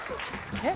えっ？